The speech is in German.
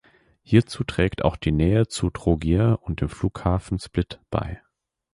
Hierzu trägt auch die Nähe zu Trogir und dem Flughafen Split bei.